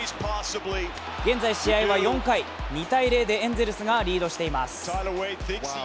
現在試合は４回、２−０でエンゼルスがリードしています。